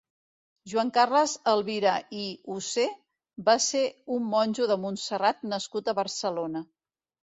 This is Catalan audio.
Joan Carles Elvira i Husé va ser un monjo de Montserrat nascut a Barcelona.